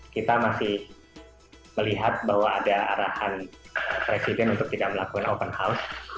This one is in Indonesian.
kita masih melihat bahwa ada arahan presiden untuk tidak melakukan open house